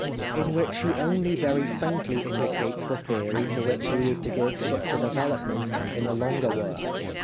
in which he only very faintly indicates the theory to which he was to give such a development in the longer work.